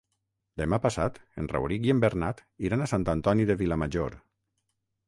Demà passat en Rauric i en Bernat iran a Sant Antoni de Vilamajor.